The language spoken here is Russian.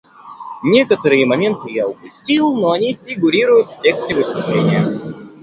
Некоторые моменты я опустил, но они фигурируют в тексте выступления.